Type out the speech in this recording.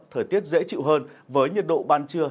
thời tiết dễ chịu hơn với nhiệt độ ban trưa